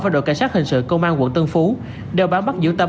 và đội cảnh sát hình sự công an quận tân phú đeo bám bắt giữ tâm